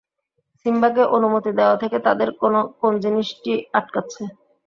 সিম্বাকে অনুমতি দেওয়া থেকে তাদের কোন জিনিসটি আটকাচ্ছে?